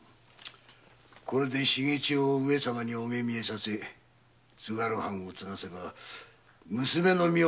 これで重千代を上様にお目見得させ津軽藩を継がせば娘の美代も満足だ。